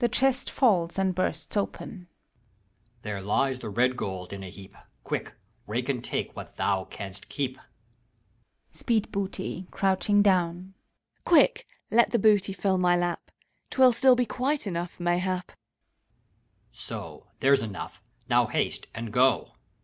(The chest falls and bursts open,) HAVEQUICK. There lies the red gold in a heap ! Quick, rake and take what thou canst keep ! SPEEDBOOTT {cfouching down). Quick, let the booty fill my lap ! 'T will still be quite enough, mayhap. HAVEQUICK. So ! there's enough ! Now haste, and go